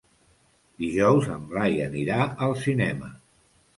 Dijous en Blai anirà al cinema.